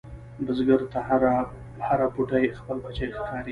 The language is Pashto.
بزګر ته هره بوټۍ خپل بچی ښکاري